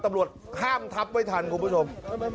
ตำรวจห้ามทับไว้ทันคุณผู้ชม